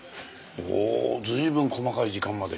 ほう随分細かい時間まで。